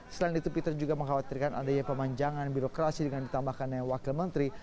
selain itu peter juga mengkhawatirkan adanya pemanjangan birokrasi dengan ditambahkannya wakil menteri